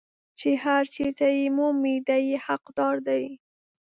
چې هر چېرته یې مومي دی یې حقدار دی.